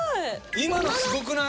今のすごくない？